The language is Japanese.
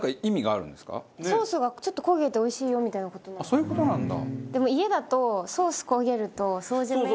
そういう事なんだ。